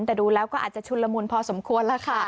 แต่ดูแล้วก็อาจจะชุนละมุนพอสมควรแล้วค่ะ